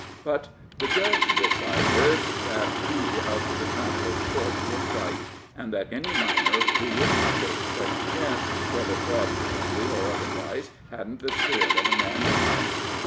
But the judge decided that he of the trampled foot was right, and that any miner who wouldn't take such a chance, whether fraudulently or otherwise, hadn't the spirit of a man in him.